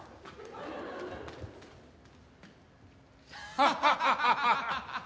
ハハハハ！